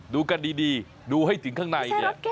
ดูกันดีดูให้ถึงข้างในเนี่ย